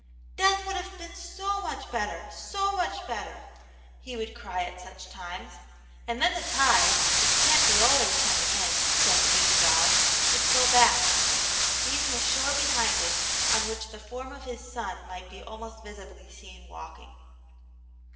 "Death would have been so much better, so much better !" he would cry tt such times ; and then the tide, which can't be always coming in, thanks be to God, would flow back, leaving a shore behind it on which the form of His Son might be almost visibly seen walking.